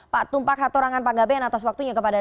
pak tumpak hatorangan pak gaben atas waktunya kepada